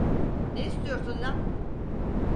Ne istiyorsun lan?